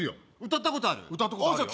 歌ったことあるよじゃ